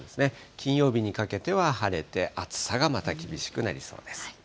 金曜日にかけては晴れて、暑さがまた厳しくなりそうです。